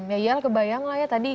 ya yel kebayang lah ya tadi